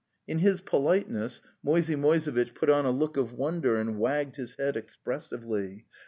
In his politeness, Moisey Moisevitch put on a look of wonder and wagged his head expressively.